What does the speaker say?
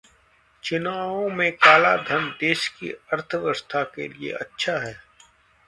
चुनावों में काला धन देश की अर्थव्यवस्था के लिए अच्छा है!